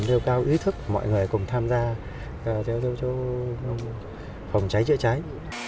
tăng cường ý thức mọi người cùng tham gia phòng cháy chữa cháy